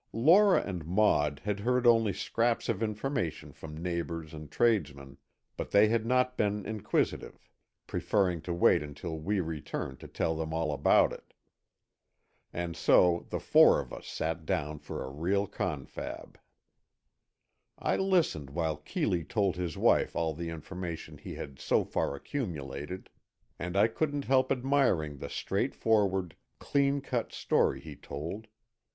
Lora and Maud had heard only scraps of information from neighbours and tradesmen, but they had not been inquisitive, preferring to wait until we returned to tell them all about it. And so the four of us sat down for a real confab. I listened while Keeley told his wife all the information he had so far accumulated, and I couldn't help admiring the straightforward, clean cut story he told.